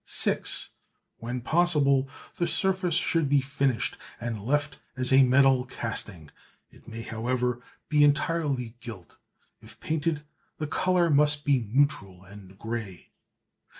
(6) When possible, the surface should be finished and left as a metal casting. It may, however, be entirely gilt. If painted, the colour must be neutral and gray.